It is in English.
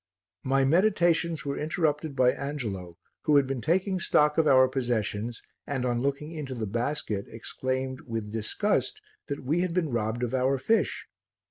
My meditations were interrupted by Angelo who had been taking stock of our possessions and, on looking into the basket, exclaimed with disgust that we had been robbed of our fish.